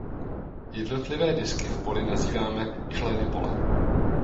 Jednotlivé disky v poli nazýváme "členy pole".